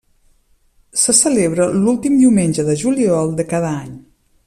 Se celebra l'últim diumenge de juliol de cada any.